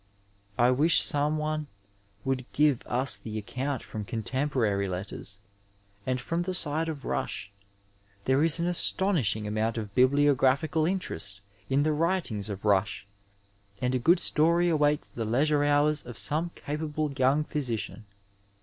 I wish some one would give us the account from contemporary letters, and from the side of Rush. There is an astonishing amount of bibliographical interest in the writings of Rush, and a good story awaits the leisure hours of some capable young physician.